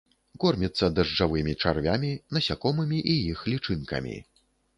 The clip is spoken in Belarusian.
Корміцца дажджавымі чарвямі, насякомымі і іх лічынкамі.